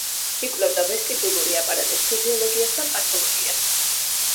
იკვლევდა ვესტიბულური აპარატის ფიზიოლოგიას და პათოლოგიას.